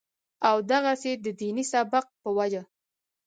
او دغسې د ديني سبق پۀ وجه